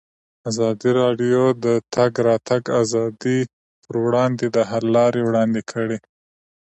ازادي راډیو د د تګ راتګ ازادي پر وړاندې د حل لارې وړاندې کړي.